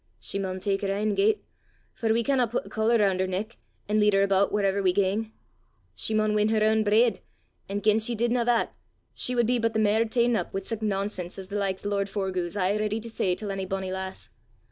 She maun tak her ain gait, for we canna put a collar roon' her neck, an' lead her aboot whaurever we gang. She maun win her ain breid; an' gien she didna that, she wad be but the mair ta'en up wi' sic nonsense as the likes o' lord Forgue 's aye ready to say til ony bonnie lass.